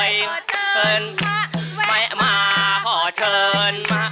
ยังไงเถอะเถอย